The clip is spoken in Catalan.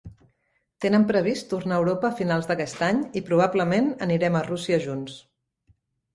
Tenen previst tornar a Europa a finals d'aquest any i probablement anirem a Rússia junts.